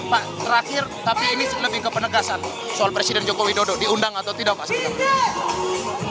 pak terakhir tapi ini lebih ke penegasan soal presiden joko widodo diundang atau tidak pak sebenarnya